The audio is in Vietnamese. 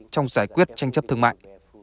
trong giải quyết tranh chấp thương mại